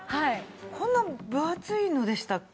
こんな分厚いのでしたっけ？